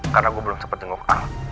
karena gue belum sempet dengerin al